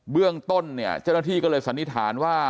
เบื้องต้นเนี่ยเจ้าหน้าที่ก็เลยสันนิษฐานว่า